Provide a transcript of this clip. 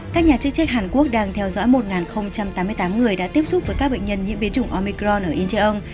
các nhà chức trách hàn quốc đang theo dõi một tám mươi tám người đã tiếp xúc với các bệnh nhân nhiễm biến chủng omicron ở incheon